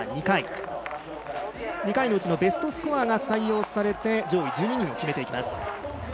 ２回のうちのベストスコアが採用されて上位１２人を決めていきます。